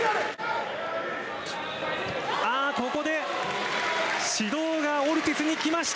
ここで指導がオルティスにきました。